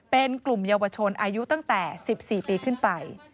เป็นกลุ่มเยาวชนอายุตั้งแต่๑๔ปีขึ้นไป